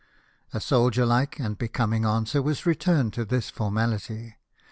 A soldierlike and becoming answer was returned to this formality.